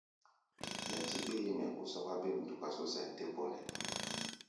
Nɛtí ɓéémɛ ó sɔ́ká bêm duka só sɛn tɛ́ bɔnɛ.